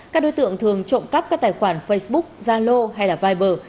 các đối tượng thường trộm cắp các tài khoản facebook zalo hay viber